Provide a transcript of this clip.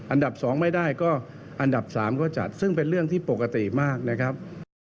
อันดับ๒ไม่ได้ก็อันดับ๓ก็จัดซึ่งเป็นเรื่องที่ปกติมากนะครับ